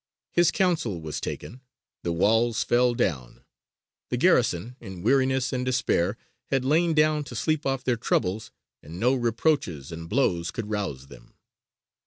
His counsel was taken; the walls fell down; the garrison, in weariness and despair, had lain down to sleep off their troubles, and no reproaches and blows could rouse them.